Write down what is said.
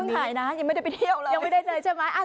อย่าเพิ่งหายนะยังไม่ได้ไปเที่ยวเลยก็จะไม่เจอใช่ไหม